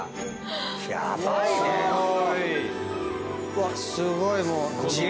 うわっすごいもう。